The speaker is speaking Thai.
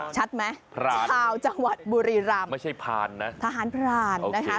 ชัดไหมชาวจังหวัดบุรีรำทหารพรานนะคะ